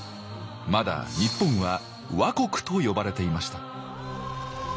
まだ日本は倭国と呼ばれていました。